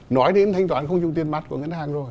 nói đến thanh toán không dùng tiền mặt của ngân hàng rồi